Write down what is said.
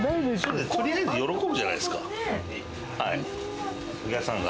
とりあえず喜ぶじゃないですか、お客さんが。